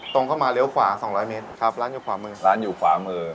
ตรงเข้ามาเลี้ยวขวาสองร้อยเมตรครับร้านอยู่ขวามือร้านอยู่ขวามือ